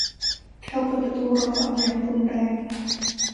เขาเปิดประตูรถออกอย่างรุนแรง